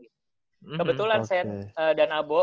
kebetulan sen dan abo